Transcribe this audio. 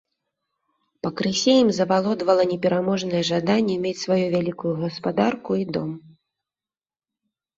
Пакрысе ім завалодвала непераможнае жаданне мець сваю вялікую гаспадарку і дом.